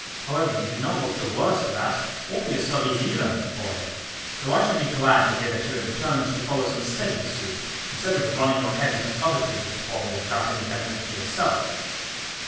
However, you do not look the worse for that or for your studies either, boy, though I should be glad to hear that you had determined to follow some steady pursuit, instead of running your head into other people's quarrels, without any benefit to yourself."